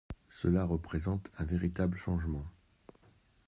Cela représente un véritable changement.